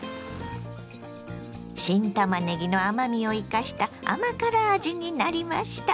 新たまねぎの甘みを生かした甘辛味になりました。